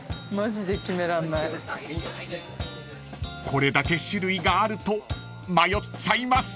［これだけ種類があると迷っちゃいます］